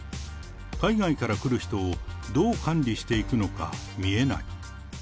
海外から来る人をどう管理していくのか見えない。